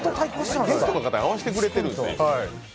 ゲストの方に合わせてくれてるんですね。